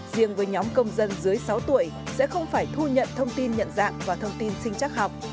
riêng với nhóm công dân dưới sáu tuổi sẽ không phải thu nhận thông tin nhận dạng và thông tin sinh chắc học